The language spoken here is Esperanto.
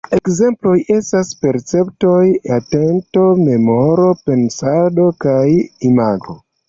Ekzemploj estas percepto, atento, memoro, pensado kaj imago.